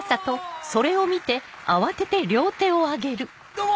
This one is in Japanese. どうも！